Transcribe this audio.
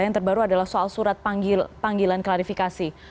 yang terbaru adalah soal surat panggilan klarifikasi